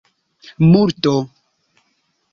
multo